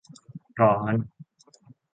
ร้อน